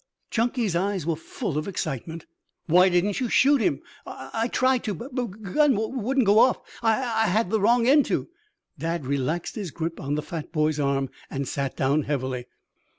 Chunky's eyes were full of excitement. "Why didn't you shoot him?" "I I tried to, but the gu gun wouldn't go off. I I had it wrong end to." Dad relaxed his grip on the fat boy's arm and sat down heavily.